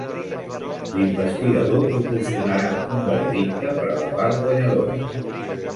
L'investigador proporcionarà un veredicte per a la part guanyadora.